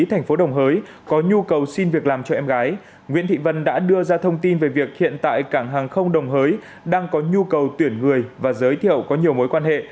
thành phố đồng hới có nhu cầu xin việc làm cho em gái nguyễn thị vân đã đưa ra thông tin về việc hiện tại cảng hàng không đồng hới đang có nhu cầu tuyển người và giới thiệu có nhiều mối quan hệ